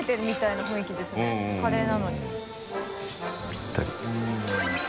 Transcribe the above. ぴったり。